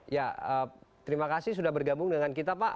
ya terima kasih sudah bergabung dengan kita pak